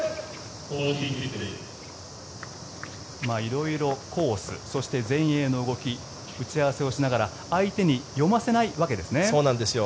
色々コース、そして前衛の動き打ち合わせをしながら相手に読ませないわけですね。